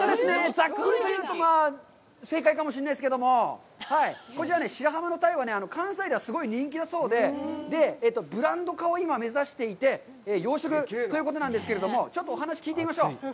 ざくっと言うと、正解かもしれないですけれども、白浜の鯛は関西ではすごい人気だそうで、ブランド化を今、目指していて、養殖ということなんですけれども、ちょっとお話を聞いてみましょう。